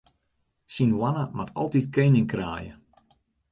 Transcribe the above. Syn hoanne moat altyd kening kraaie.